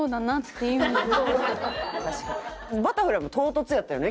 バタフライも唐突やったよね。